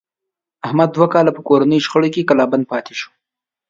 احمد دوه کاله په کورنیو شخړو کې کلا بند پاتې شو.